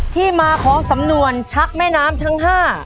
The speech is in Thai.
ที่มาของสำนวนชักแม่น้ำทั้ง๕